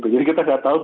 jadi kita tidak tahu